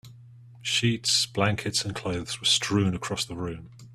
Sheets, blankets, and clothes were strewn across the room.